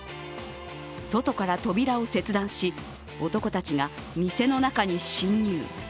外から扉を切断し男たちが店の中に侵入。